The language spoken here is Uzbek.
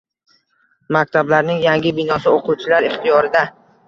Maktablarning yangi binosi o‘quvchilar ixtiyorida